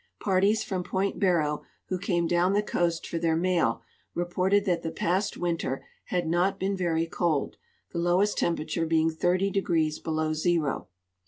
Parties from point Barrow, who came down the coast for their mail, reported that the past ■wdnter had not been very cold, the lowest temperature being 30° below zero.